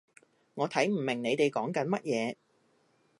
我睇唔明你哋講緊乜嘢